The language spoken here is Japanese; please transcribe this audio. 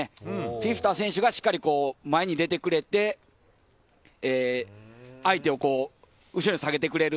フィフィタ選手がしっかり前に出てくれて、相手を後ろに下げてくれる。